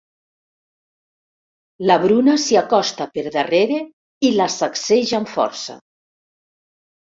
La Bruna s'hi acosta per darrere i la sacseja amb força.